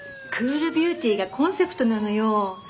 クールビューティーがコンセプトなのよ。